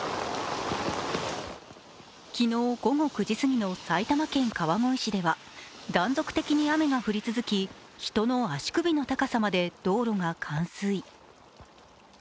昨日午後９時すぎの埼玉県川越市では断続的に雨が降り続き、人の足首の高さまで道路が冠水。